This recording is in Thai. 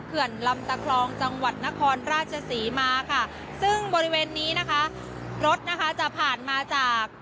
เขื่อนลำตะคลองจังหวัดนครราชศรีมาค่ะซึ่งบริเวณนี้นะคะรถนะคะจะผ่านมาจาก